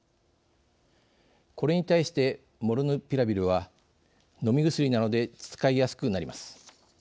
これに対してモルヌピラビルは飲み薬なので使いやすくなります。